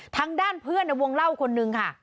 ทางด้านเพื่อนในวงเล่าคนนึงค่ะ